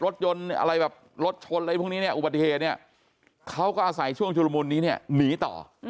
แล้วในวัดรถชนอะไรพวกนี้อุบัติเหตุคัลก็อาศัยช่วงชุลมุนนี้หนีต่อ